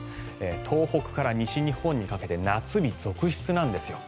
東北から西日本にかけて夏日続出なんですよ。